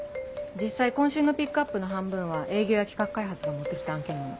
実際今週のピックアップの半分は営業や企画開発が持って来た案件なの。